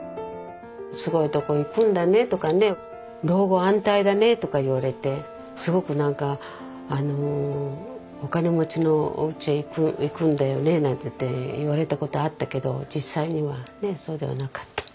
「すごいとこ行くんだね」とかね「老後安泰だね」とか言われてすごくなんか「お金持ちのおうちへ行くんだよね」なんていって言われたことあったけど実際にはねえそうではなかった。